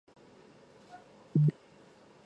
博瓦德马尔克。